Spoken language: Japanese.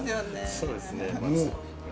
そうですね。